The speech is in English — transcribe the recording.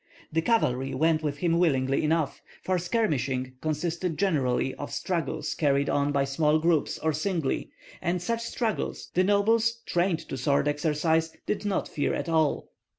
The cavalry went with him willingly enough, for skirmishing consisted generally of struggles carried on by small groups or singly, and such struggles the nobles trained to sword exercise did not fear at all.